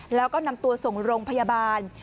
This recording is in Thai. แล้วก็นำตัวส่งโรงพยาบาล